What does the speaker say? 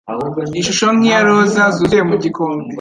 ishusho nkiya roza zuzuye mu gikombe